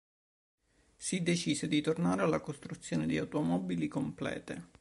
Si decise di tornare alla costruzione di automobili complete.